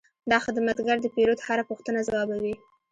دا خدمتګر د پیرود هره پوښتنه ځوابوي.